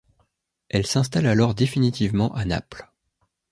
Elle s'installe alors définitivement à Naples.